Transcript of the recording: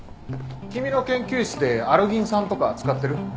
君の研究室でアルギン酸とか使ってる？